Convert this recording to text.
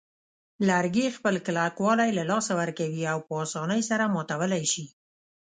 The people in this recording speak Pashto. لرګي خپل کلکوالی له لاسه ورکوي او په آسانۍ سره ماتولای شي.